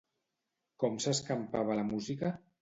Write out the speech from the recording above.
Com s'escampava la música?